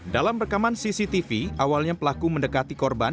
dalam rekaman cctv awalnya pelaku mendekati korban